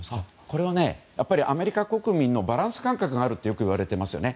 これは、やっぱりアメリカ国民のバランス感覚がよく言われていますよね。